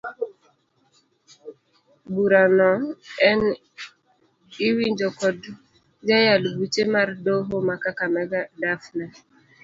Burano en iwinjo kod jayal buche mar doho ma kakamega Daphne.